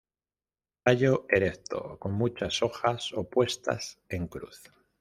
Tallo erecto, con muchas hojas opuestas en cruz.